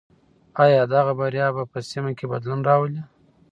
آیا دغه بریا به په سیمه کې بدلون راولي؟